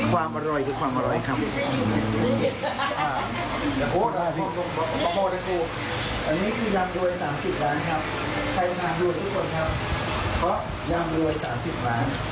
ความอร่อยคือความอร่อยครับ